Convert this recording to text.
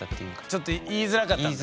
ちょっと言いづらかったんだ。